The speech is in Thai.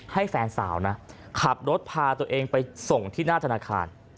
แฟนสาวนะขับรถพาตัวเองไปส่งที่หน้าธนาคาร